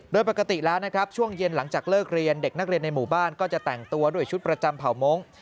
โดยปกติแล้วนะครับช่วงเย็นหลังจากเลิกเรียนเด็กนักเรียนในหมู่บ้านก็จะแต่งตัวด้วยชุดประจำเผ่ามงค์